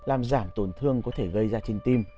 làm giảm tổn thương có thể gây ra trên tim